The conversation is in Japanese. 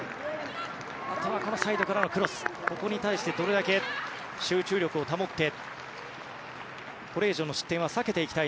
あとはサイドからのクロスに対してどれだけ集中力を保ってこれ以上の失点は避けていきたい